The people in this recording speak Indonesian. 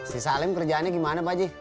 si salim kerjaannya gimana pak ji